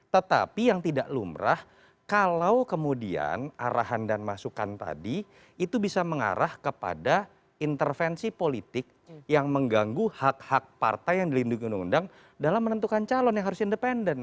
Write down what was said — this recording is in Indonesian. tetapi yang tidak lumrah kalau kemudian arahan dan masukan tadi itu bisa mengarah kepada intervensi politik yang mengganggu hak hak partai yang dilindungi undang undang dalam menentukan calon yang harus independen